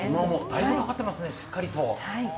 だいぶかかってますね、しっかりと。